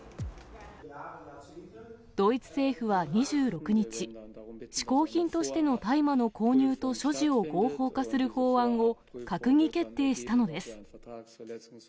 ドイツ政府は２６日、しこう品としての大麻の購入と所持を合法化する法案を閣議決定したのです。